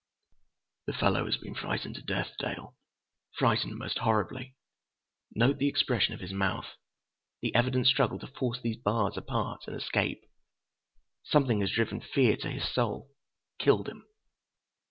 "The fellow has been frightened to death, Dale. Frightened most horribly. Note the expression of his mouth, the evident struggle to force these bars apart and escape. Something has driven fear to his soul, killed him."